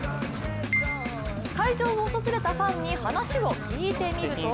会場を訪れたファンに話を聞いてみると